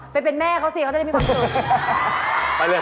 ไปเป็นแม่เขาสิเขาจะได้มีความสุข